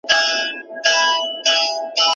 موږ باید په ګډه د هېواد د پرمختګ لپاره کار وکړو.